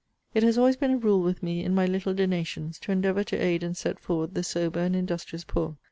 It has always been a rule with me, in my little donations, to endeavour to aid and set forward the sober and industrious poor.